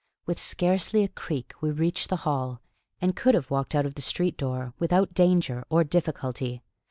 With scarcely a creak we reached the hall, and could have walked out of the street door without danger or difficulty.